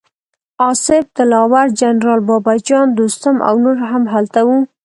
اصف دلاور، جنرال بابه جان، دوستم او نور هم هلته وو.